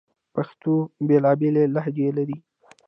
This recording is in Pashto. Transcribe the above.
پښتو بیلابیلي لهجې لري